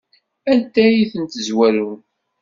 Anda ay tzerwem iḍelli?